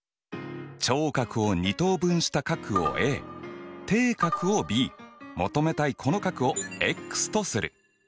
頂角を二等分した角をａ底角をｂ求めたいこの角をｘとする。